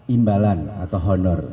imbalan atau honor